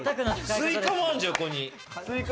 スイカもあるじゃん、横に。